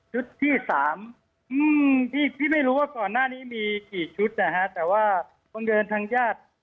ที่สามพี่ไม่รู้ว่าก่อนหน้านี้มีกี่ชุดนะฮะแต่ว่าบังเอิญทางญาติ